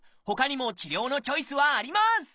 ほかにも治療のチョイスはあります！